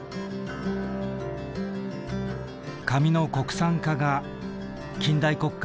紙の国産化が近代国家